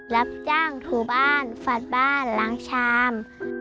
รับจ้างถูบ้านฝาดบ้านล้างชาม